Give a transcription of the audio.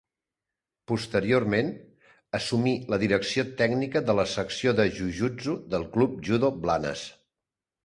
Posteriorment, assumí la direcció tècnica de la secció de jujutsu del Club Judo Blanes.